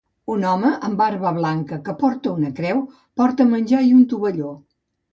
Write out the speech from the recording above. Un home amb barba blanca que porta una creu porta menjar i un tovalló.